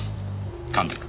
神戸君。